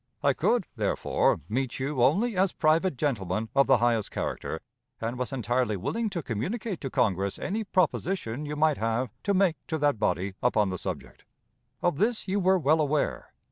I could, therefore, meet you only as private gentlemen of the highest character, and was entirely willing to communicate to Congress any proposition you might have to make to that body upon the subject. Of this you were well aware.